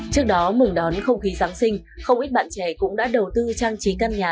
trước đó mừng đón không khí giáng sinh không ít bạn trẻ cũng đã đầu tư trang trí căn nhà